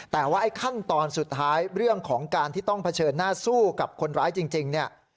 แต่ว่าไอ้ขั้นตอนสุดท้ายเรื่องของการที่ต้องเผชิญหน้าสู้กับคนร้ายจริงเนี่ย